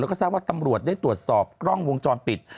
แล้วก็ทราบว่าตำรวจได้ตรวจสอบกล้องวงจรปิด